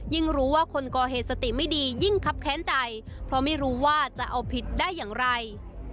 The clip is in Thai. รู้ว่าคนก่อเหตุสติไม่ดียิ่งครับแค้นใจเพราะไม่รู้ว่าจะเอาผิดได้อย่างไร